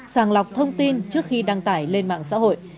sàng lọc thông tin trước khi đăng tải lên mạng xã hội